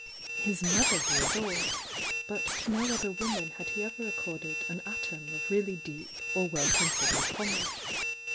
His mother he adored ; but to no other woman had he ever ac corded an atom of really deep or well considered homage.